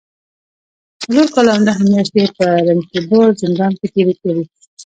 څلور کاله او نهه مياشتې په رنتنبور زندان کې تېرې کړي